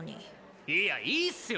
いやいいっすよ。